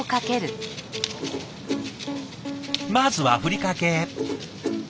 まずはふりかけ。